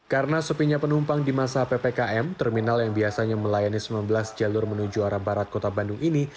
karena sepinya penumpang di masa ppkm terminal yang biasanya melayani sembilan belas jalur menuju arah barat kota bandung ini